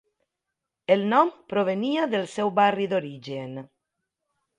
El nom provenia del seu barri d'origen.